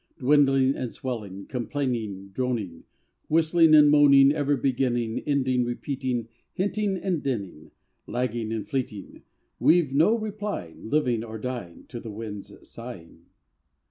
161 Dwindling and swelling, Complaining, droning, Whistling and moaning, Ever beginning, Ending, repeating, Hinting and dinning, Lagging and fleeting — We've no replying Living or dying To the Wind's sighing.